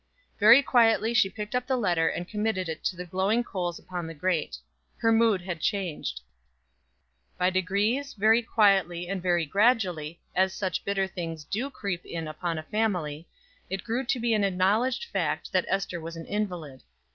Very quietly she picked up the letter and committed it to the glowing coals upon the grate. Her mood had changed. By degrees, very quietly and very gradually, as such bitter things do creep in upon a family, it grew to be an acknowledged fact that Ester was an invalid.